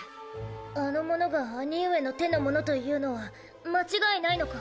あの者が兄上の手の者というのは間違いないのか？